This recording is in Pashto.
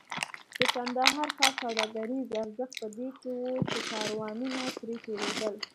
د کندهار ښار سوداګریز ارزښت په دې کې و چې کاروانونه ترې تېرېدل.